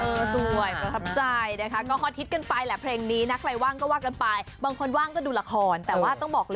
สวยประทับใจนะคะก็ฮอตฮิตกันไปแหละเพลงนี้นักใครว่างก็ว่ากันไปบางคนว่างก็ดูละครแต่ว่าต้องบอกเลย